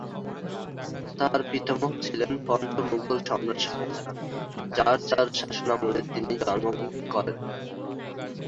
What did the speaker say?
তার পিতামহ ছিলেন পঞ্চম মুগল সম্রাট শাহজাহান, যার যার শাসনামলে তিনি জন্মগ্রহণ করেন।